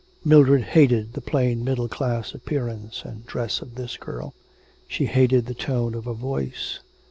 Mildred hated the plain middle class appearance and dress of this girl. She hated the tone of her voice.